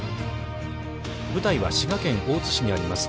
舞台は滋賀県大津市にあります